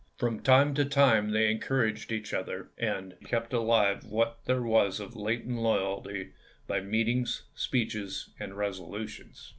From time to time they encouraged each other and kept alive what there was of latent loyalty by meetings, speeches, and resolutions.